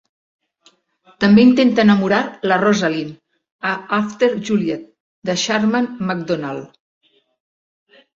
També intenta enamorar la Rosaline a "After Juliet" de Sharman Macdonald.